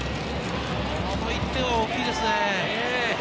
この１点は大きいですね。